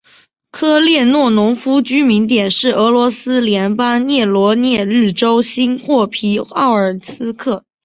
科列诺农村居民点是俄罗斯联邦沃罗涅日州新霍皮奥尔斯克区所属的一个农村居民点。